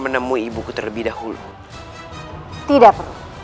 sisi yang berhak